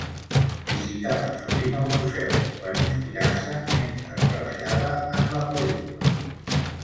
Visitava sovint el museu per inspirar-se mentre treballava en la pel·lícula.